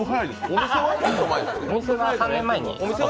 お店は３年前に。